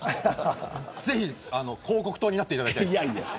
ぜひ広告塔になっていただきたいです。